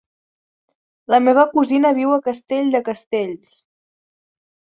La meva cosina viu a Castell de Castells.